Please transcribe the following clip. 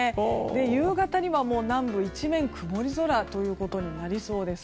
夕方には、南部一面曇り空となりそうです。